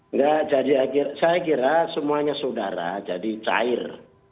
enggak jadi saya kira semuanya saudara jadi cair